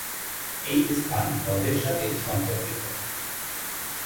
এই স্থান হজ্জের সাথে সম্পর্কিত।